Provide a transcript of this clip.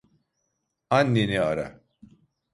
Anneni ara.